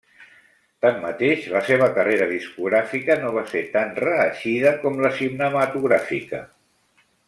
Tanmateix, la seva carrera discogràfica no va ser tan reeixida com la cinematogràfica.